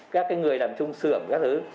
các người làm chung sửa các thứ